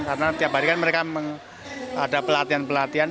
karena tiap hari kan mereka ada pelatihan pelatihan